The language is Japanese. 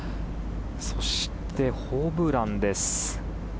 そして、ホブランです。